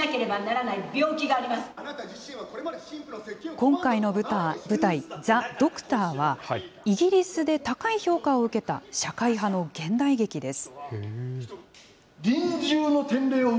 今回の舞台、ザ・ドクターは、イギリスで高い評価を受けた社会派の現代劇です。